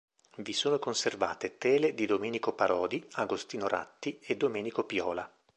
Vi sono conservate tele di Domenico Parodi, Agostino Ratti e Domenico Piola.